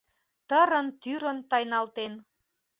Тырын-тӱрын тайналтен